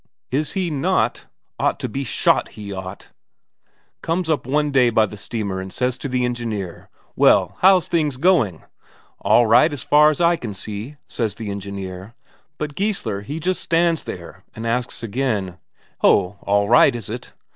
"Is he not? Ought to be shot, he ought! Comes up one day by the steamer and says to the engineer: 'Well, how's things going?' 'All right, as far as I can see,' says the engineer. But Geissler he just stands there, and asks again: 'Ho, all right, is it?'